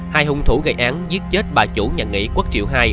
hai hung thủ gây án giết chết bà chủ nhà nghỉ quốc triệu hai